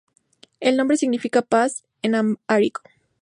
El nombre significa "paz" en amhárico.